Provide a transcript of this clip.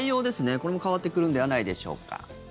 これも変わってくるんではないでしょうか？